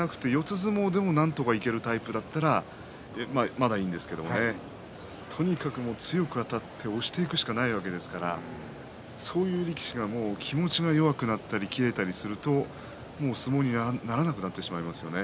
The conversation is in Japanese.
相撲でもなんとかいけるようなタイプでしたらまだいいんですけどねとにかく強くあたって押していくしかないわけですからそういう力士が気持ちが弱くなったり切れたりしますと相撲にならなくなってしまいます。